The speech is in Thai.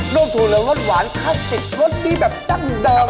นมถูอเหลืองรสหวานคลาสติ๋งรสดีแบบทัก